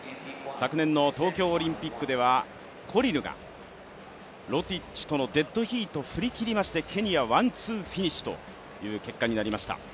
昨年の東京オリンピックではコリルがロティッチとのデッドヒートを振り切りまして、ケニア、ワン・ツーフィニッシュという結果になりました。